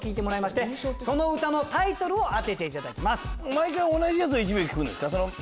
毎回同じやつを１秒聴くんですか？